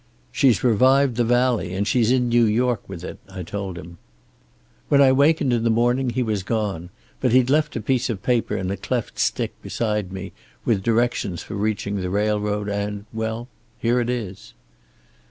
'She's revived "The Valley," and she's in New York with it,' I told him. "When I wakened in the morning he was gone, but he'd left a piece of paper in a cleft stick beside me, with directions for reaching the railroad, and well, here it is."